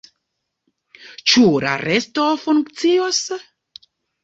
Ĉu la resto funkcios?